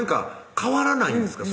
変わらないんですか？